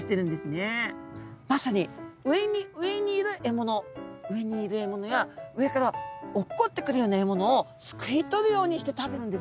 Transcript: まさに上に上にいる獲物上にいる獲物や上から落っこってくるような獲物をすくい取るようにして食べるんですね。